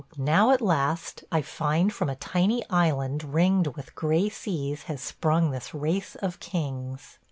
now at last I find from a tiny island ringed with gray seas has sprung this race of kings.